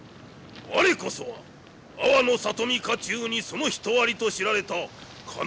我こそは安房の里見家中にその人ありと知られた金碗大助孝徳なり。